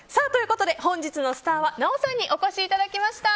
本日のスターは奈緒さんにお越しいただきました。